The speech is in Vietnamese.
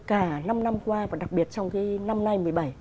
cả năm năm qua và đặc biệt trong cái năm nay một mươi bảy